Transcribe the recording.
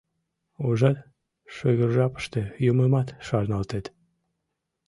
Ужат, шыгыр жапыште юмымат шарналтет.